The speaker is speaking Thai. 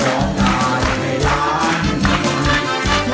ร้องได้ให้ล้าน